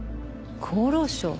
厚労省？